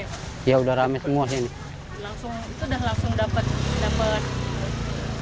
itu sudah langsung dapat panggulan